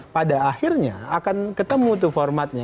pada akhirnya akan ketemu tuh formatnya